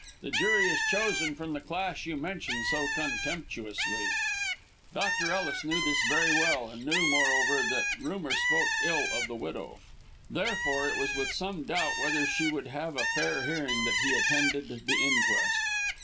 The jury is chosen from the class you mention so contemptuously." Dr. Ellis knew this very well, and knew, moreover, that rumour spoke ill of the widow. Therefore, it was with some doubt whether she would have a fair hearing that he attended the inquest.